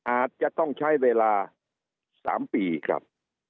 อาจจะต้องใช้เวลา๓ปีครับ